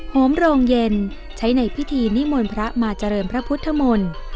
โหมโรงเย็นใช้ในพิธีนิมนต์พระมาเจริญพระพุทธมนตร์